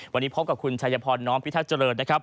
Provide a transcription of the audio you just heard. วันนี้พบกับคุณชายพอน้อมพิทัศน์เจริญ